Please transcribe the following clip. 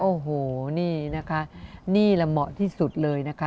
โอ้โหนี่นะคะนี่แหละเหมาะที่สุดเลยนะคะ